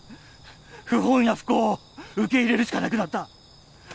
不本意な不幸を受け入れるしかなくなった